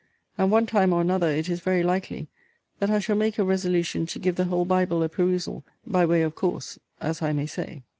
And one time or another, it is very likely, that I shall make a resolution to give the whole Bible a perusal, by way of course, as I may say.